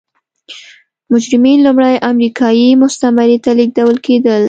مجرمین لومړی امریکايي مستعمرې ته لېږدول کېدل.